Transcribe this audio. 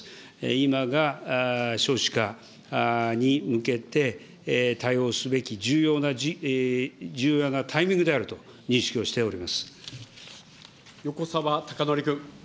今が少子化に向けて、対応すべき重要なタイミングであると認識を横沢高徳君。